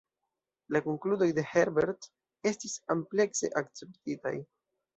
La konkludoj de Herbert estis amplekse akceptitaj.